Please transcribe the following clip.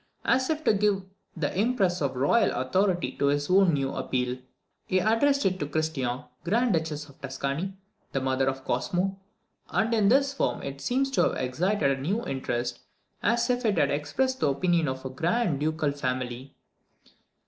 As if to give the impress of royal authority to this new appeal, he addressed it to Christian, Grand Duchess of Tuscany, the mother of Cosmo; and in this form it seems to have excited a new interest, as if it had expressed the opinion of the grand ducal family.